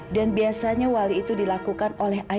dan biasanya wali itu dilakukan oleh pak haris